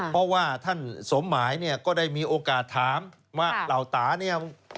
เพราะว่าท่านสมหมายเนี่ยก็ได้มีโอกาสถามว่าเหล่าตาเนี่ย